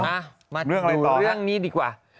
มาเรื่องนี้ดีกว่า